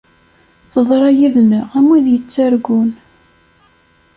Teḍra yid-neɣ am wid yettargun.